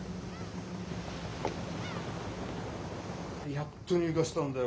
やっと入荷したんだよ